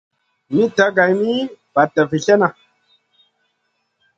Mitta geyn mi vatna vi slèhna.